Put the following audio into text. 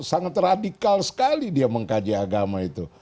sangat radikal sekali dia mengkaji agama itu